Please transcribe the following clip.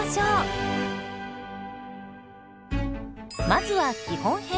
まずは基本編。